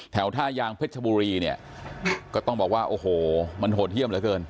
ท่ายางเพชรบุรีเนี่ยก็ต้องบอกว่าโอ้โหมันโหดเยี่ยมเหลือเกิน